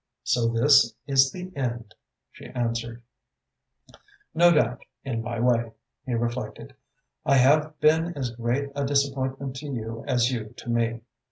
"So this is the end," she answered. "No doubt, in my way," he reflected, "I have been as great a disappointment to you as you to me.